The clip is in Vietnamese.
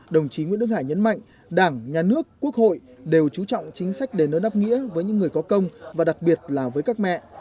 đồng chí nguyễn đức hải nhấn mạnh đảng nhà nước quốc hội đều trú trọng chính sách đền ơn đáp nghĩa với những người có công và đặc biệt là với các mẹ